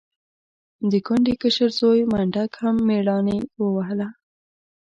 د کونډې کشر زوی منډک هم مېړانې ووهله.